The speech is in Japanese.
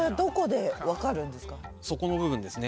底の部分ですね